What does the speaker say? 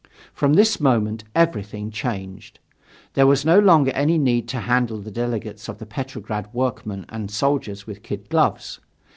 From this moment, everything changed. There was no longer any need to handle the delegates of the Petrograd workmen and soldiers with kid gloves.